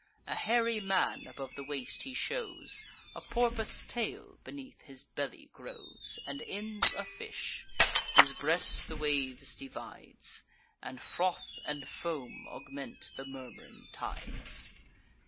A hairy man above the waist he shows; A porpoise tail beneath his belly grows; And ends a fish: his breast the waves divides, And froth and foam augment the murm'ring tides.